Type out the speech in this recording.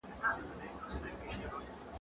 آیا سهار تر ماښام روښانه وي؟